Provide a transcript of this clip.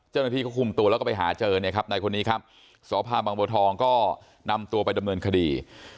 เจ้าหน้าที่ก็คุมตัวแล้วก็ไปหาเจอในคนนี้ครับสอพาวบางบัวทองก็นำตัวไปดำเนินคดี